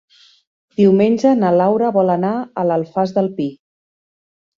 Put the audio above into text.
Diumenge na Laura vol anar a l'Alfàs del Pi.